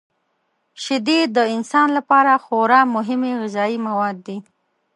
شیدې د انسان لپاره خورا مهمې غذايي مواد دي.